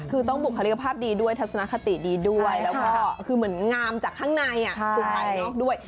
คือต้องบุคลิกภาพดีด้วยทัศนคติดีด้วยแล้วก็คือเหมือนงามจากข้างในสุกภายนอกด้วย